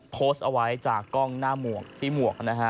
โพสต์เอาไว้จากกล้องหน้าหมวกที่หมวกนะฮะ